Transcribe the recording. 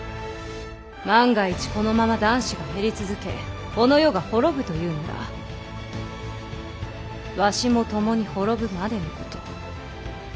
万が一このまま男子が減り続けこの世が滅ぶというならわしも共に滅ぶまでのこと。